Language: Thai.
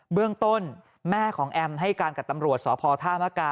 เรื่องต้นแม่ของแอมให้การกับตำรวจสพท่ามกา